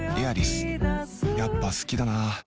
やっぱ好きだな